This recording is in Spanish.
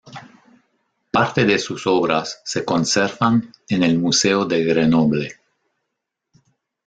Parte de sus obras se conservan en el Museo de Grenoble.